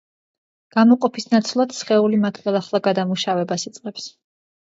გამოყოფის ნაცვლად, სხეული მათ ხელახლა გადამუშავებას იწყებს.